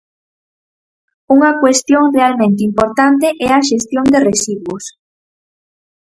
Unha cuestión realmente importante é a xestión de residuos.